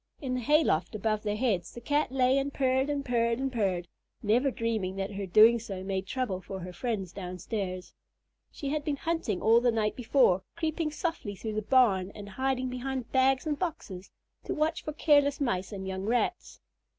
In the hay loft above their heads, the Cat lay and purred and purred and purred, never dreaming that her doing so made trouble for her friends downstairs. She had been hunting all the night before, creeping softly through the barn and hiding behind bags and boxes to watch for careless Mice and young Rats.